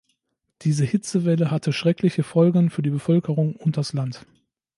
Diese Hitzewelle hatte schreckliche Folgen für die Bevölkerung und das Land.